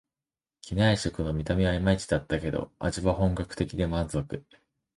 機内食の見た目はいまいちだったけど、味は本格的で満足